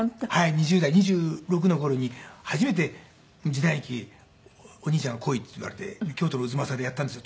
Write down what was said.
２０代２６の頃に初めて時代劇お兄ちゃんが来いって言われて京都の太秦でやったんですよ